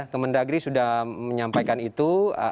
teman dagri sudah menyampaikan itu